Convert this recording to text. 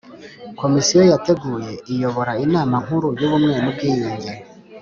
Komisiyo yateguye iyobora Inama Nkuru y Ubumwe n Ubwiyunge